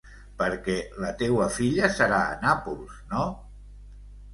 Perquè la teua filla serà a Nàpols, no?